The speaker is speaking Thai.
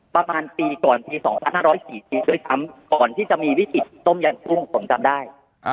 แปลวันปีก่อนก่อนที่จะมีวิถิธิต้มยังพุ่งประจำได้